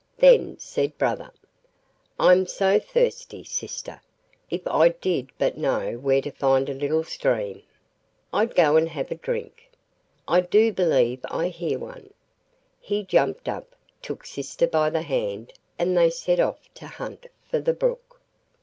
Then said brother: 'I'm so thirsty, sister; if I did but know where to find a little stream, I'd go and have a drink. I do believe I hear one.' He jumped up, took sister by the hand, and they set off to hunt for the brook.